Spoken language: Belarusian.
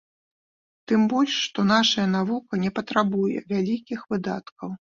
Тым больш, што нашая навука не патрабуе вялікіх выдаткаў.